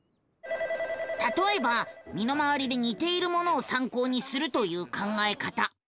たとえば身の回りでにているものをさんこうにするという考え方。